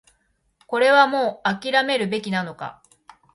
これはもう諦めるべきなのか